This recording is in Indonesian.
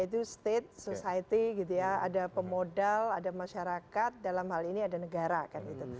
itu state society gitu ya ada pemodal ada masyarakat dalam hal ini ada negara kan gitu